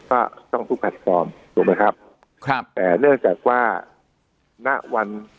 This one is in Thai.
ก็ต้องทุกแพลตฟอร์มถูกไหมครับครับแต่เนื่องจากว่าณวัน